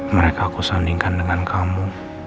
mereka aku sandingkan dengan kamu